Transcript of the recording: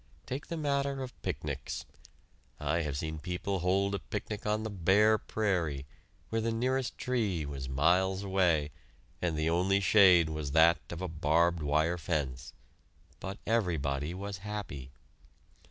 Take the matter of picnics. I have seen people hold a picnic on the bare prairie, where the nearest tree was miles away, and the only shade was that of a barbed wire fence, but everybody was happy.